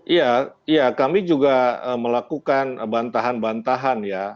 iya kami juga melakukan bantahan bantahan ya